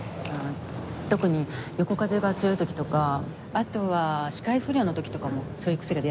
特に横風が強い時とかあとは視界不良の時とかもそういう癖が出やすいから。